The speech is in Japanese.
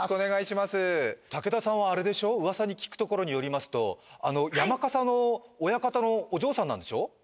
武田さんはあれでしょ噂に聞くところによりますとあの山笠の親方のお嬢さんなんでしょ？